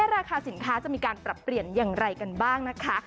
ราคาสินค้าจะมีการปรับเปลี่ยนอย่างไรกันบ้างนะคะ